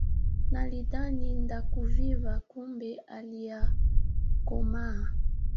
Nalidhani ndakuviva kumbe haliyakomaa